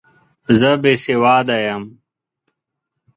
زه بې سواده یم!